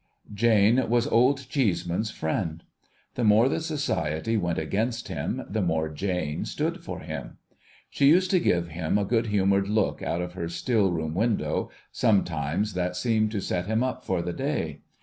Jane was (Jld Cheeseman's friend. The more the Society went against him, the more Jane stood by him. She used to give him a good humoured look out of her still room window, sometimes, that seemed to set him uj) for the day.